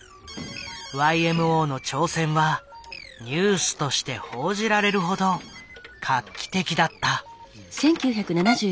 ＹＭＯの挑戦はニュースとして報じられるほど画期的だった。